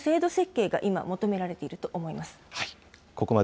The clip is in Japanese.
その制度設計が今、求められていると思います。